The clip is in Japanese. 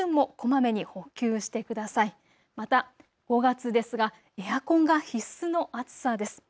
また５月ですがエアコンが必須の暑さです。